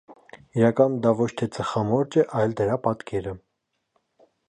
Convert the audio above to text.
Իրականում դա ոչ թե ծխամորճ է, այլ դրա պատկերը։